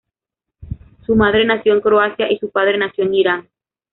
Su madre nació en Croacia y su padre nació en Irán.